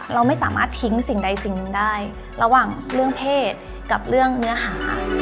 เราไม่สามารถทิ้งสิ่งใดสิ่งหนึ่งได้ระหว่างเรื่องเพศกับเรื่องเนื้อหา